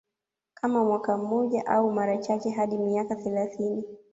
Kama mwaka mmoja au mara chache hadi miaka thelathini